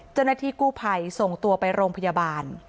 จนที่กู้ไผ่ส่งตัวไปโรงพยาบาล